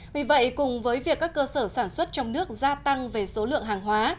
vì vậy cùng với việc các cơ sở sản xuất trong nước gia tăng về số lượng hàng hóa